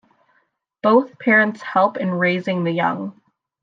Both parents help in raising the young.